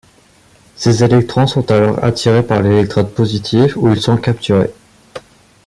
Ces électrons sont alors attirés par l'électrode positive où ils sont capturés.